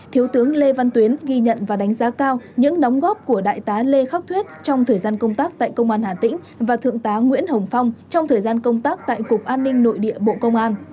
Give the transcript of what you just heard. thiếu tướng lê văn tuyến ghi nhận và đánh giá cao những đóng góp của đại tá lê khắc thuyết trong thời gian công tác tại công an hà tĩnh và thượng tá nguyễn hồng phong trong thời gian công tác tại cục an ninh nội địa bộ công an